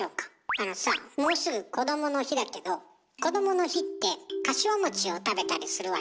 あのさあもうすぐこどもの日だけどこどもの日ってかしわを食べたりするわよね。